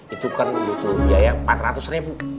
itu kan membutuhkan biaya empat ratus ribu